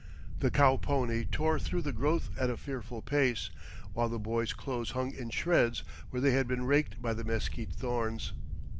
The cow pony tore through the growth at a fearful pace, while the boy's clothes hung in shreds where they had been raked by the mesquite thorns.